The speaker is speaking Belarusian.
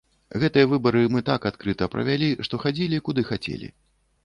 Гэтыя выбары мы так адкрыта правялі, што хадзілі куды хацелі.